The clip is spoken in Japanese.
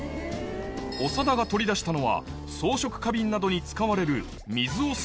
長田が取り出したのは装飾花瓶などに使われるよし。